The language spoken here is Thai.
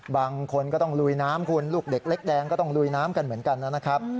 บางคนก็ต้องลุยน้ำคุณลูกเด็กเล็กแดงก็ต้องลุยน้ำกันเหมือนกันนะครับ